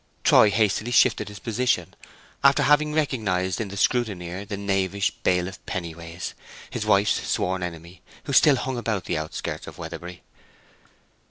Troy hastily shifted his position, after having recognized in the scrutineer the knavish bailiff Pennyways, his wife's sworn enemy, who still hung about the outskirts of Weatherbury.